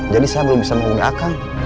jadi saya belum bisa menghubungi akan